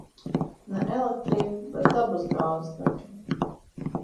Ne elektrība, bet dabas gāze taču.